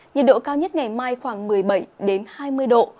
nhiệt độ cao nhất ngày mai khoảng một mươi bảy hai mươi độ